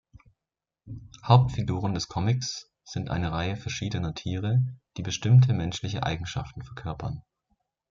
Hauptfiguren des Comics sind eine Reihe verschiedener Tiere, die bestimmte menschliche Eigenschaften verkörpern.